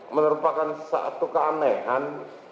menerupakan satu keanehan